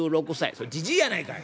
「それじじいやないかい！